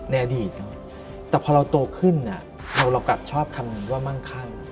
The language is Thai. ในอดีตแต่พอเราโตขึ้นเรากลับชอบคำนี้ว่ามั่งคั่ง